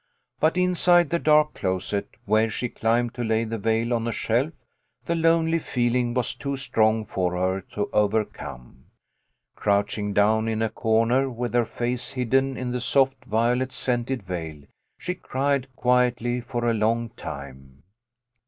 But inside the dark closet, where she climbed to lay the veil on a shelf, the lonely feeling was too strong for her to overcome. Crouching down in a A TIME FOR PATIENCE. 69 comer, with her face hidden in the soft violet scented veil, she cried quietly for a long time.